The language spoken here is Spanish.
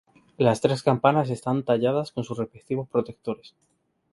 Las tres campanas están talladas con sus respectivos protectores.